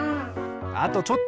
あとちょっと！